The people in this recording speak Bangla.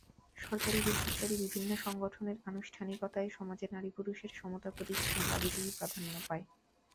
সরকারি-বেসরকারি বিভিন্ন সংগঠনের আনুষ্ঠানিকতায় সমাজে নারী-পুরুষের সমতা প্রতিষ্ঠার দাবিটিই প্রাধান্য পায়।